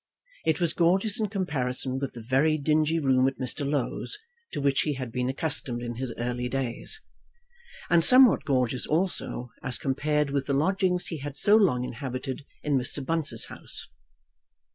It was gorgeous in comparison with the very dingy room at Mr. Low's to which he had been accustomed in his early days, and somewhat gorgeous also as compared with the lodgings he had so long inhabited in Mr. Bunce's house.